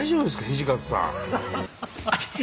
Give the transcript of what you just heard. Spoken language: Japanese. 土方さん。